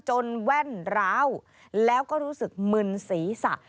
แว่นร้าวแล้วก็รู้สึกมึนศีรษะ